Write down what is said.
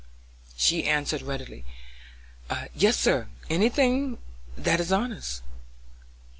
She answered readily: "Yes, sir, any thing that is honest."